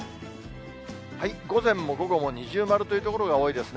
午前も午後も二重丸という所が多いですね。